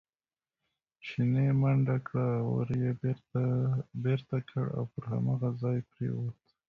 چیني منډه کړه، ور یې بېرته کړ او پر هماغه ځای پرېوت.